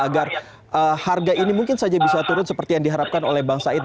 agar harga ini mungkin saja bisa turun seperti yang diharapkan oleh bang said